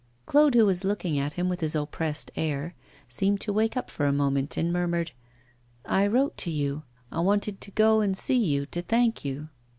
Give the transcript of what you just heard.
Claude, who was looking at him with his oppressed air, seemed to wake up for a moment, and murmured: 'I wrote to you; I wanted to go and see you to thank you.